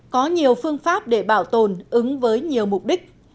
có nhiều phương pháp để bảo tồn ứng với nhiều mục đích